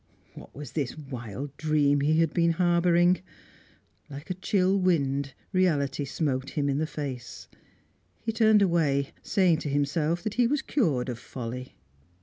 What was this wild dream he had been harbouring? Like a chill wind, reality smote him in the face; he turned away, saying to himself that he was cured of folly.